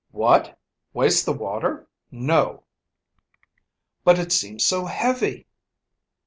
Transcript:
"What! Waste that water? No." "But it seems so heavy."